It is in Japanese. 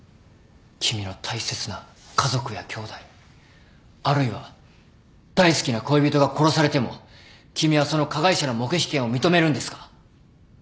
君の大切な家族やきょうだいあるいは大好きな恋人が殺されても君はその加害者の黙秘権を認めるんですか？